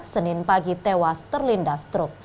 senin pagi tewas terlindas truk